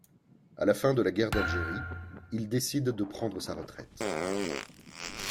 A la fin de la guerre d'Algérie, il décide de prendre sa retraite.